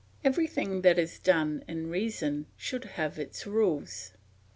Everything that is done in reason should have its rules.